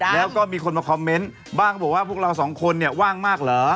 แล้วก็มีคนมาคอมเมนต์บ้างก็บอกว่าพวกเราสองคนเนี่ยว่างมากเหรอ